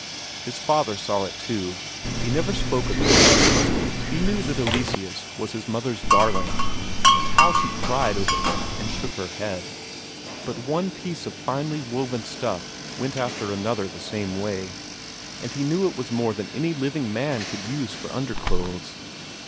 His father saw it too. He never spoke of it; he knew that Eleseus was his mother's darling, and how she cried over him and shook her head; but one piece of finely woven stuff went after another the same way, and he knew it was more than any living man could use for underclothes.